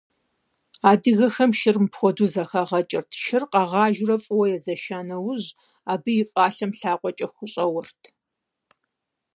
Адыгэхэм шыр мыпхуэдэу зэхагъэкӀырт: шыр къагъажэурэ фӀыуэ еша нэужь, абы и фӀалъэм лъакъуэкӀэ хущӀэуэрт.